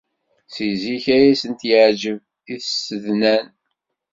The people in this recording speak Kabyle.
Seg zik ay asent-yeɛjeb i tsednan.